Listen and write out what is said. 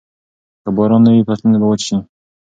که باران نه وي، فصلونه به وچ شي.